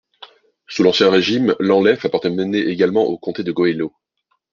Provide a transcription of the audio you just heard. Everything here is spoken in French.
Sous l'ancien régime, Lanleff appartenait également au comté du Goëlo.